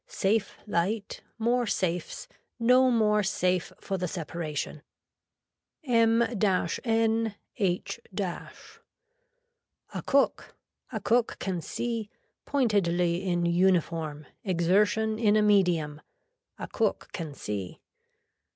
Safe light, more safes no more safe for the separation. M N H . A cook. A cook can see. Pointedly in uniform, exertion in a medium. A cook can see.